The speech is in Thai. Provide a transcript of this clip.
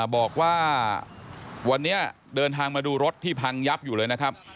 บอกว่าวันนี้เดินทางมาดูรถที่พังยับอยู่เลยนะครับ